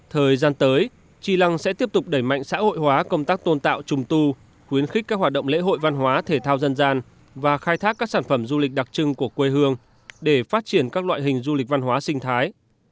thời gian tới tri lăng sẽ tiếp tục đẩy mạnh xã hội hóa công tác tôn tạo trùng tu khuyến khích các hoạt động lễ hội văn hóa thể thao dân gian và khai thác các sản phẩm du lịch đặc trưng của quê hương để phát triển các loại hình du lịch văn hóa sinh thái